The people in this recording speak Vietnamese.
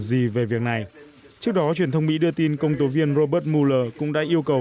gì về việc này trước đó truyền thông mỹ đưa tin công tố viên robert mueller cũng đã yêu cầu